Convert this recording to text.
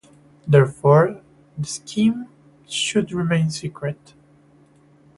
Therefore the scheme should remain secret.